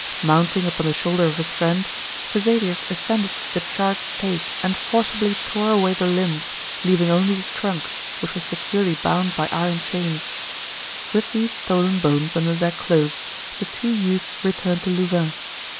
Mounting upon the shoulder of his friend, Vesalius ascended the charred stake and forcibly tore away the limbs, leaving only the trunk, which was securely bound by iron chains. With these stolen bones under their clothes the two youths returned to Louvain.